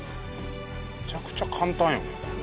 めちゃくちゃ簡単よねこれ。